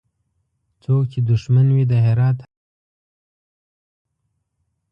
څوک چي دښمن وي د هرات هغه غلیم د وطن